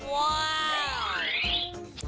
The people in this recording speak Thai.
ว้าว